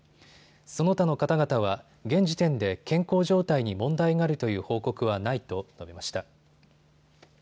その他の方々は現時点で健康状態に問題があるという報告はないと述べました。